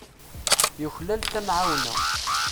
Yuklal tamɛawna.